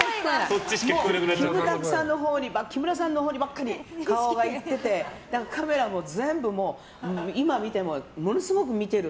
木村さんのほうにばっかり顔がいっててカメラも全部今見ても、ものすごく見てる。